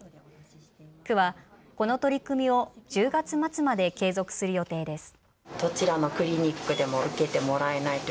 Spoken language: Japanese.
区はこの取り組みを１０月末まで継続する予定です。